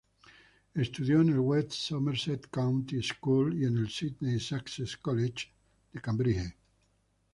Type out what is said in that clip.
Estudió en el West Somerset County School y en el Sidney Sussex College, Cambridge.